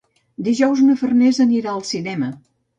Dijous na Farners anirà al cinema.